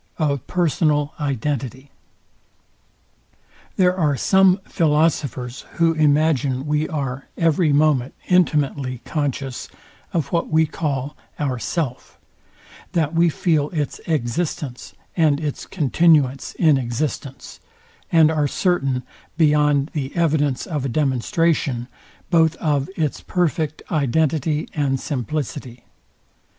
OF PERSONAL IDENTITY There are some philosophers who imagine we are every moment intimately conscious of what we call our SELF; that we feel its existence and its continuance in existence; and are certain, beyond the evidence of a demonstration, both o its perfect identity and simplicity.